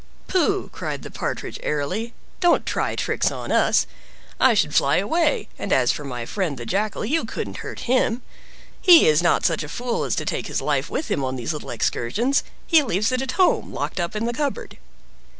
"Pooh!" cried the Partridge airily, "don't try tricks on us—I should fly away, and as for my friend, the Jackal, you couldn't hurt him. He is not such a fool as to take his life with him on these little excursions; he leaves it at home, locked up in the cupboard."